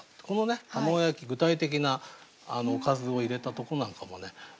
この「卵焼き」具体的なおかずを入れたとこなんかもね